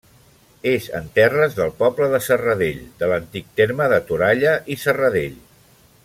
És en terres del poble de Serradell, de l'antic terme de Toralla i Serradell.